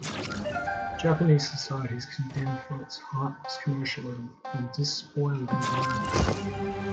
Japanese society is condemned for its "heartless commercialism" and "despoiled environment".